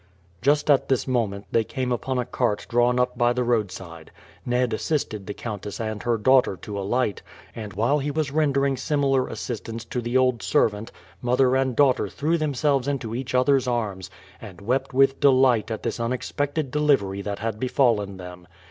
Just at this moment they came upon a cart drawn up by the roadside. Ned assisted the countess and her daughter to alight, and while he was rendering similar assistance to the old servant, mother and daughter threw themselves into each other's arms, and wept with delight at this unexpected delivery that had befallen them.